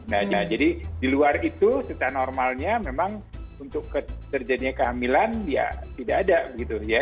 nah jadi di luar itu secara normalnya memang untuk terjadinya kehamilan ya tidak ada begitu ya